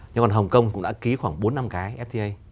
nhưng còn hồng kông cũng đã ký khoảng bốn năm cái fta